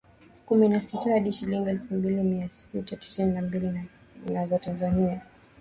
Kumi na sita hadi shilingi elfu mbili Mia sita tisini na mbili za Tanzania